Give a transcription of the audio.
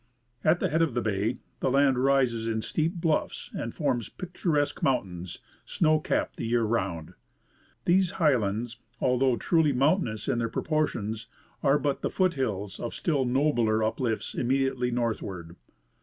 At the head of the bay the land rises in steep bluffs and forms pictur esque mountains, snow capped the year round. These high lands, although truly mountainous in their proportions, are but the foot hills of still nobler uplifts immediately northward.